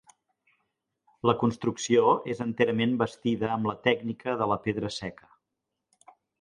La construcció és enterament bastida amb la tècnica de la pedra seca.